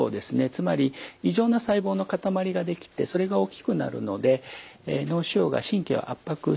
つまり異常な細胞の塊ができてそれが大きくなるので脳腫瘍が神経を圧迫します。